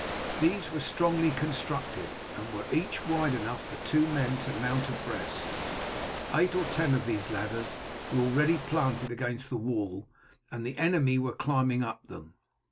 These were strongly constructed, and were each wide enough for two men to mount abreast. Eight or ten of these ladders were already planted against the wall, and the enemy were climbing up them.